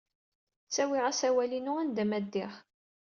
Ttawiɣ asawal-inu anda ma ddiɣ.